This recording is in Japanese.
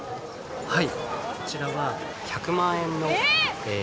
はい。